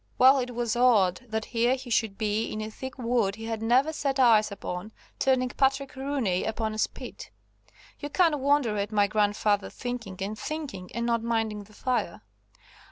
Well, it was odd, that here he should be in a thick wood he had never set eyes upon, turning Patrick Rooney upon a spit. You can't wonder at my grandfather thinking and thinking and not minding the fire.